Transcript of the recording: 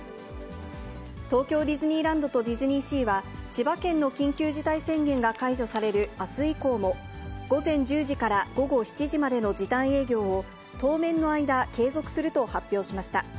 東京ディズニーランドとディズニーシーは、千葉県の緊急事態宣言が解除されるあす以降も、午前１０時から午後７時までの時短営業を当面の間、継続すると発表しました。